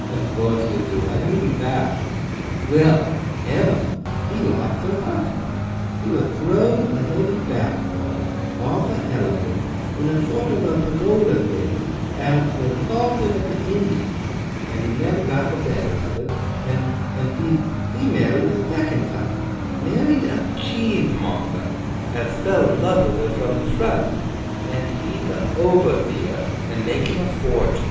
Of courthe you do; I needn't athk. Well! Emma, thee lotht her huthband. He wath throw'd a heavy back fall off a Elephant in a thort of a Pagoda thing ath the Thultan of the Indieth, and he never got the better of it; and thee married a thecond time—married a Cheethemonger ath fell in love with her from the front—and he'th a Overtheer and makin' a fortun.